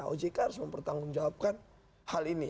ojk harus mempertanggung jawabkan hal ini